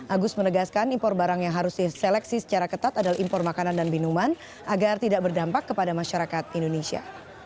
agus menegaskan impor barang yang harus diseleksi secara ketat adalah impor makanan dan minuman agar tidak berdampak kepada masyarakat indonesia